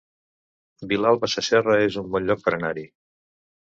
Vilalba Sasserra es un bon lloc per anar-hi